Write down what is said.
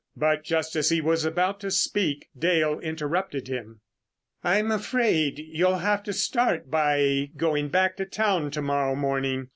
But just as he was about to speak Dale interrupted him. "I'm afraid you'll have to start by going back to town to morrow morning.